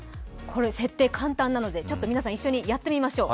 これ設定簡単なので皆さん一緒にやってみましょう。